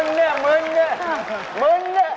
มื้นเนี่ยมื้นเนี่ย